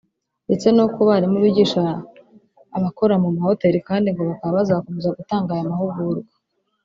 ndetse no ku barimu bigisha abokora mu mahoteri kandi ngo bakaba bazakomeza gutanga aya mahugurwa